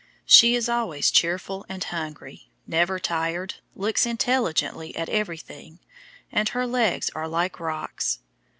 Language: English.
She is always cheerful and hungry, never tired, looks intelligently at everything, and her legs are like rocks.